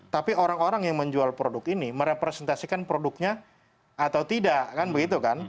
tapi orang orang yang menjual produk ini merepresentasikan produknya atau tidak kan begitu kan